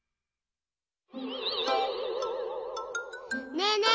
ねえねえ